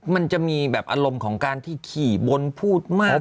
มันจะมีแบบอารมณ์ของการที่ขี่บนพูดมาก